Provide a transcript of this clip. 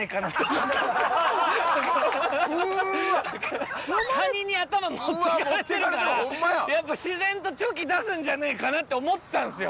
うわ持ってかれてるホンマややっぱ自然とチョキ出すんじゃねえかなって思ってたんすよ